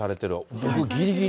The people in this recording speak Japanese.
僕ぎりぎり。